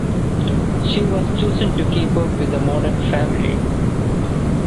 She was chosen to keep up with the modern family.